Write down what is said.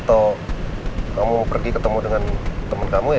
kalau pergelangan rappelle